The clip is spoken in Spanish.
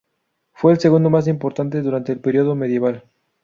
Fue el segundo más importante durante el periodo medieval.